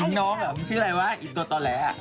หญิงน้องแบบชื่ออะไรวะหญิงตัวตาแหละอะ